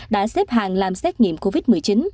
đã xếp hàng làm xét nghiệm covid một mươi chín